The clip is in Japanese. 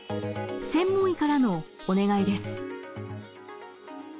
専門医からのお願いです。